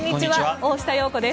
大下容子です。